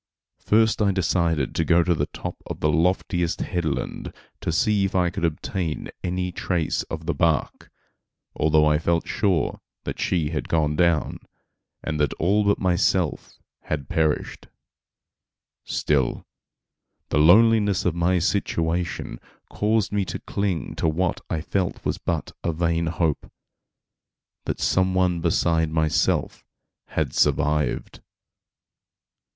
First I decided to go to the top of the loftiest headland to see if I could obtain any trace of the bark, although I felt sure that she had gone down, and that all but myself had perished; still, the loneliness of my situation caused me to cling to what I felt was but a vain hope, that some one beside myself had survived.